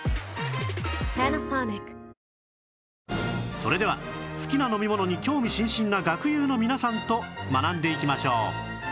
それでは好きな飲み物に興味津々な学友の皆さんと学んでいきましょう